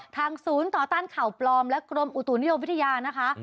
ทางศูนย์ต่อต้านข่าวปลอมและกรมอุตุนิยมวิทยานะคะ